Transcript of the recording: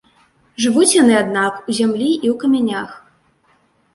Жывуць яны, аднак, у зямлі і ў камянях.